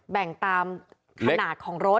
แบ่งตามขนาดของรถ